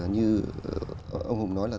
như ông hùng nói là